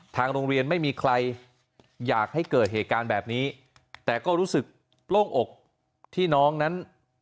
ทางโรงเรียนไม่มีใครอยากให้เกิดเหตุการณ์แบบนี้แต่ก็รู้สึกโล่งอกที่น้องนั้น